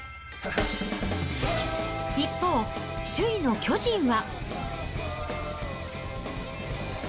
一方、首位の巨人は。